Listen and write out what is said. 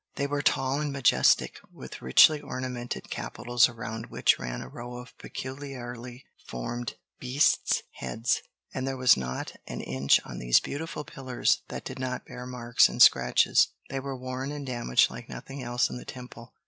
They were tall and majestic, with richly ornamented capitals around which ran a row of peculiarly formed beasts' heads. And there was not an inch on these beautiful pillars that did not bear marks and scratches. They were worn and damaged like nothing else in the Temple.